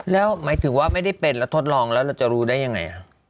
แล้วหมายถึงว่าไม่ได้เป็นแล้วทดลองแล้วเราจะรู้ได้ยังไง